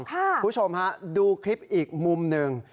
คุณผู้ชมฮะดูคลิปอีกมุมหนึ่ง